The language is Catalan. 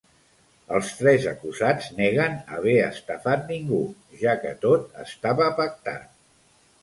Els tres acusats neguen haver estafat ningú ja que tot estava pactat.